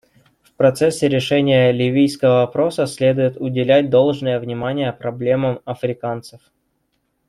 В процессе решения ливийского вопроса следует уделять должное внимание проблемам африканцев.